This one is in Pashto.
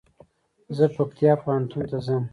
زه پکتيا پوهنتون ته ځم